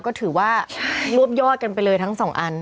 ก็ถือว่ารวบย่อดไปเลยทั้ง๒อัน